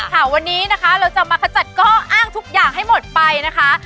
ค่ะวันนี้นะคะเราจะมาขจัดข้ออ้างทุกอย่างให้หมดไปนะคะ